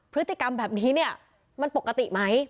พฤติกรรมแบบนี้เนี่ยมันปกติไหม